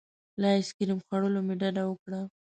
له ایس کریم خوړلو مې ډډه وکړه.